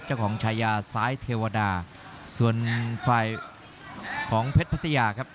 เจ้าของชายาซ้ายเทวดาส่วนฝ่ายของเพชรพัทยาครับ